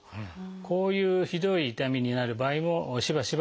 こういうひどい痛みになる場合もしばしばあります。